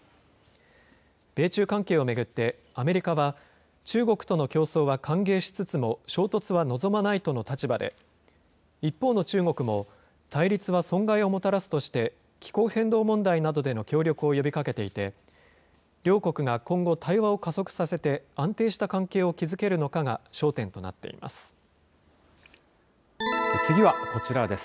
米中関係を巡って、アメリカは中国との競争は歓迎しつつも衝突は望まないとの立場で、一方の中国も、対立は損害をもたらすとして、気候変動問題などでの協力を呼びかけていて、両国が今後対話を加速させて、安定した関係を築けるのかが焦点となっています。